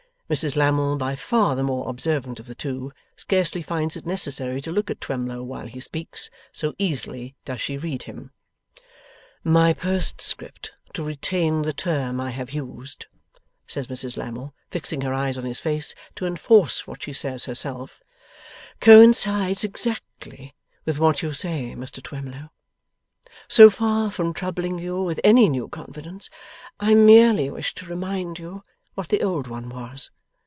Mrs Lammle, by far the more observant of the two, scarcely finds it necessary to look at Twemlow while he speaks, so easily does she read him. 'My postscript to retain the term I have used' says Mrs Lammle, fixing her eyes on his face, to enforce what she says herself 'coincides exactly with what you say, Mr Twemlow. So far from troubling you with any new confidence, I merely wish to remind you what the old one was.